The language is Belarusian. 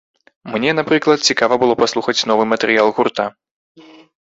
Мне, напрыклад, цікава было паслухаць новы матэрыял гурта.